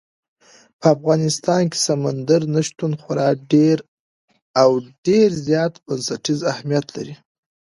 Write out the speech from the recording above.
په افغانستان کې سمندر نه شتون خورا ډېر او ډېر زیات بنسټیز اهمیت لري.